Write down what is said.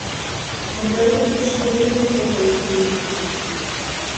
Моторет кушкылден огыл улмажын.